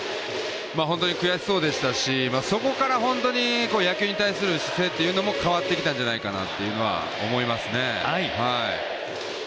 本当に悔しそうでしたし、そこから本当に野球に対する姿勢というのも変わってきたんじゃないかなというのは思いますね。